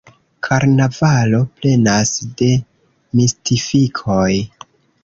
Karnavalo plenas de mistifikoj.